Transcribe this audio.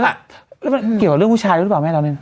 มันเกี่ยวกับเรื่องผู้ชายหรือเปล่าแม่เราเนี่ย